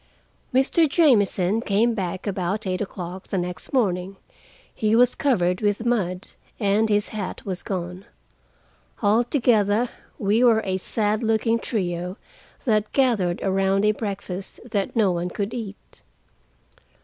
Mr. Jamieson came back about eight o'clock the next morning: he was covered with mud, and his hat was gone. Altogether, we were a sad looking trio that gathered around a breakfast that no one could eat.